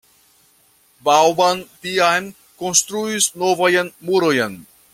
Vauban tiam konstruis novajn murojn.